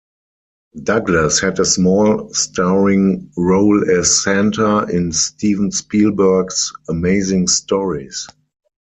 Douglas had a small starring role as Santa in Steven Spielberg's "Amazing Stories".